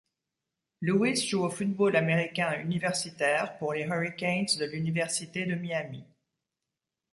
Lewis joue au football américain universitaire pour les Hurricanes de l'université de Miami.